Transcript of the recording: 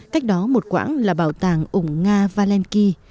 cách đó một quãng là bảo tàng ủng nga valenki